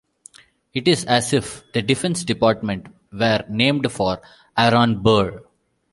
It is as if the Defense Department were named for Aaron Burr.